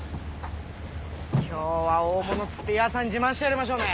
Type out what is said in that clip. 今日は大物釣ってヤーさんに自慢してやりましょうね。